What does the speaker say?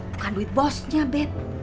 bukan duit bosnya beb